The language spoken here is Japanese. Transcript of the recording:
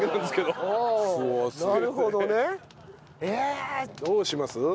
どうします？